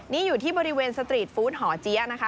นี่อยู่ที่บริเวณสตรีทฟู้ดหอเจี๊ยะนะคะ